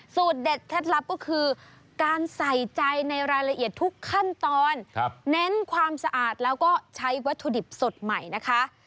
เด็ดเคล็ดลับก็คือการใส่ใจในรายละเอียดทุกขั้นตอนเน้นความสะอาดแล้วก็ใช้วัตถุดิบสดใหม่นะคะ